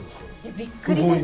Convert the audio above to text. びっくりです。